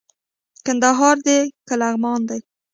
کندهار دئ که لغمان دئ